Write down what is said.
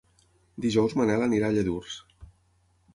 Dijous en Manel anirà a Lladurs.